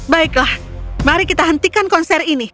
baiklah mari kita hentikan konser ini